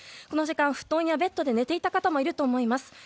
この時間、布団やベッドで寝ていた方もいると思います。